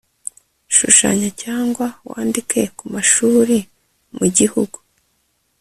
Shushanya cyangwa wandike ku mashuri mu gihugu